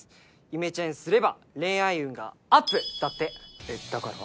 「イメチェンすれば恋愛運がＵＰ」だってえっだから？